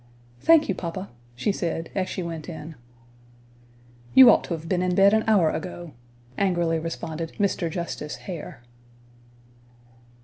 "Thank you, papa," she said, as she went in. "You ought to have been in bed an hour ago," angrily responded Mr. Justice Hare.